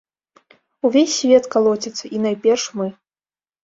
Увесь свет калоціцца, і найперш мы.